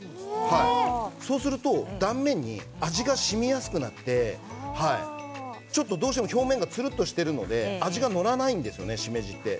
そうすると断面に味がしみやすくなってどうしても表面がつるっとしているので、しめじは味がのらないんです。